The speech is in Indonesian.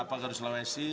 apakah di sulawesi